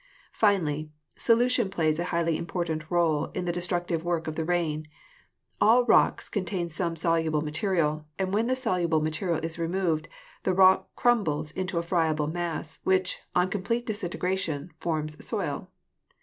Finally, solution plays a highly important role in the destructive work of the rain. All rocks contain some soluble material, and when this soluble material is removed, the rock crumbles into a friable mass, which, on complete disintegration, forms soil.